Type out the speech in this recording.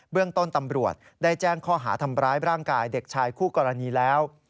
เรื่องต้นตำรวจได้แจ้งข้อหาทำร้ายร่างกายเด็กชายคู่กรณีแล้ว